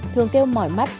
thường kêu mỏi mắt